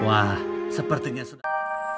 wah sepertinya sudah